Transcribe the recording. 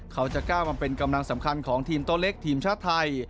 เขาจะก้าวมาเป็นกำลังสำคัญของทีมโต๊ะเล็กทีมชาติไทย